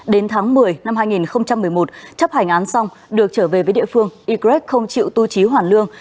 đến tháng một mươi năm hai nghìn một mươi một chấp hành án xong được trở về với địa phương y greg không chịu tu trí hoàn lương